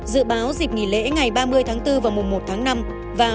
dự báo dịp nghỉ lễ ngày ba mươi tháng bốn và mùa một tháng năm và mùa du lịch hè năm nay